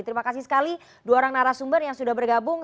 terima kasih sekali dua orang narasumber yang sudah bergabung